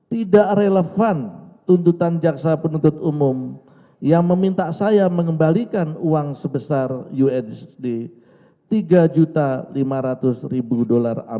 tidak relevan tuntutan jaksa penuntut umum yang meminta saya mengembalikan uang sebesar usd tiga lima ratus